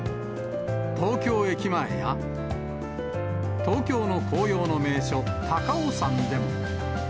東京駅前や、東京の紅葉の名所、高尾山でも。